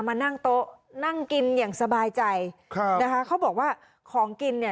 มานั่งโต๊ะนั่งกินอย่างสบายใจครับนะคะเขาบอกว่าของกินเนี่ย